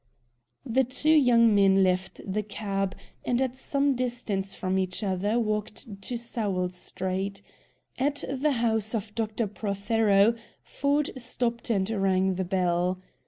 The two young men left the cab, and at some distance from each other walked to Sowell Street. At the house of Dr. Prothero, Ford stopped and rang the bell.